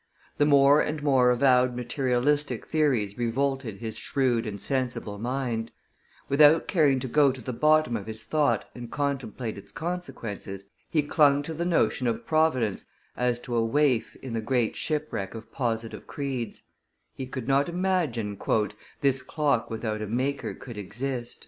The more and more avowed materialistic theories revolted his shrewd and sensible mind; without caring to go to the bottom of his thought and contemplate its consequences, he clung to the notion of Providence as to a waif in the great shipwreck of positive creeds; he could not imagine "This clock without a Maker could exist."